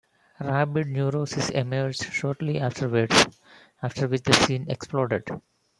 Rabid Neurosis emerged shortly afterwards, after which the scene exploded.